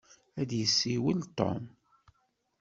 Ad d-yessiwel Tom.